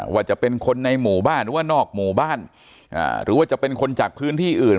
ว่าจะเป็นคนในหมู่บ้านหรือว่านอกหมู่บ้านหรือว่าจะเป็นคนจากพื้นที่อื่น